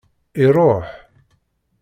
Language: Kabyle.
Iṛuḥ.